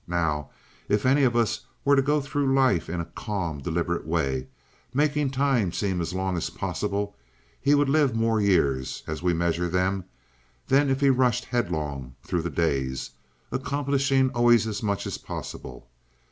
Now if any of us were to go through life in a calm, deliberate way, making time seem as long as possible, he would live more years, as we measure them, than if he rushed headlong through the days, accomplishing always as much as possible.